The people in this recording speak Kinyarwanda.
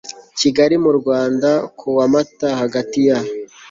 kigali mu rwanda ku wa mata hagati ya